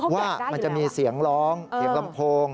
ว่ามันจะมีเสียงร้องเสียงลำโพง